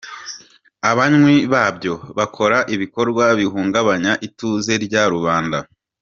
Abanywi babyo bakora ibikorwa bihungabanya ituze rya rubanda.